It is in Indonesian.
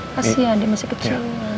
kasian dia masih kecil